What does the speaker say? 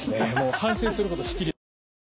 反省することしきりです